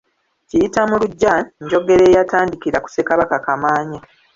Kiyiyta mu luggya njogera eyatandikira ku Ssekabaka Kamaanya.